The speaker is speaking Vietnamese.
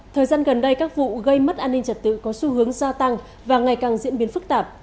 thời gian gần đây các vụ gây mất an ninh trật tự có xu hướng gia tăng và ngày càng diễn biến phức tạp